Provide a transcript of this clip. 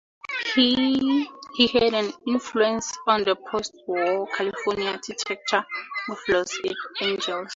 He had an influence on the postwar California architecture of Los Angeles.